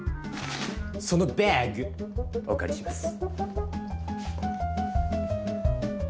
そのバッグお借りします。